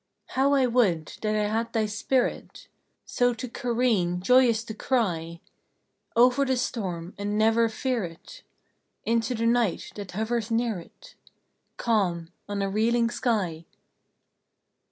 How I would that I had thy spirit, So to careen, joyous to cry, Over the storm and never fear it! Into the night that hovers near it! Calm on a reeling sky!